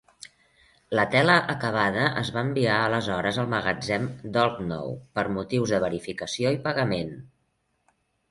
La tela acabada es va enviar aleshores al magatzem d'Oldknow per motius de verificació i pagament.